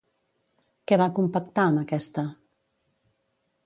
Què va compactar amb aquesta?